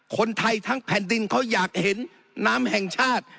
คนไทยทั้งแผ่นดินเขาอยากเห็นน้ำแห่งชาติ